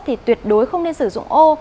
thì tuyệt đối không nên sử dụng ô